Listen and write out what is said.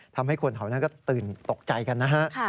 ทำให้คนแถวนั้นก็ตื่นตกใจกันนะฮะ